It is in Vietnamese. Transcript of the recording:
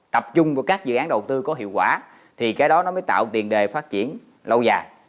tập trung vào các dự án đầu tư có hiệu quả thì cái đó nó mới tạo tiền đề phát triển lâu dài